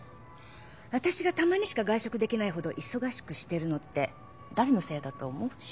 私がたまにしか外食できないほど忙しくしてるのって誰のせいだと思う？